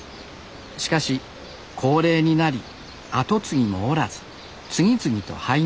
しかし高齢になり後継ぎもおらず次々と廃業。